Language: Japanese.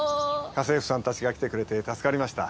家政婦さんたちが来てくれて助かりました。